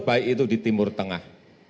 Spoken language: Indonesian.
baik itu di timur tengah